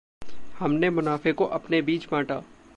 हमने मुनाफ़े को अपने बीच बाँटा।